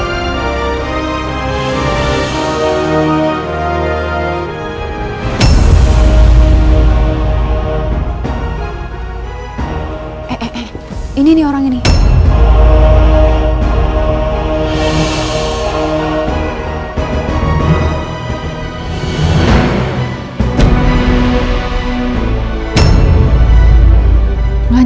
masih belum dikira via internet